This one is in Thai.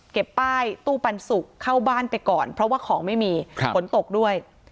ป้ายตู้ปันสุกเข้าบ้านไปก่อนเพราะว่าของไม่มีฝนตกด้วย